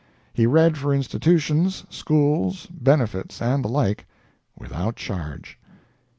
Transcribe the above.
He read for institutions, schools, benefits, and the like, without charge.